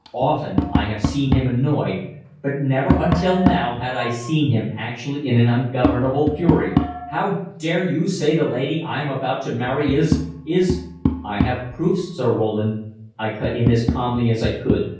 Often I had seen him annoyed, but never until now had I seen him actually in an ungovernable fury. "How dare you say the lady I am about to marry is is " "I have proofs, Sir Roland," I cut in as calmly as I could.